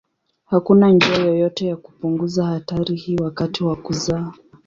Hakuna njia yoyote ya kupunguza hatari hii wakati wa kuzaa.